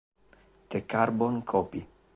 The Carbon Copy